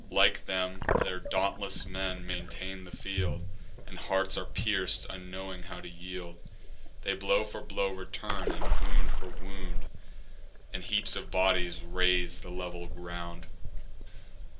Like them, their dauntless men maintain the field; And hearts are pierc'd, unknowing how to yield: They blow for blow return, and wound for wound; And heaps of bodies raise the level ground.